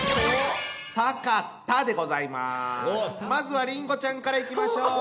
まずはりんごちゃんからいきましょう。